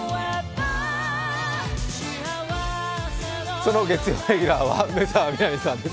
その月曜レギュラーは梅澤美波さんです。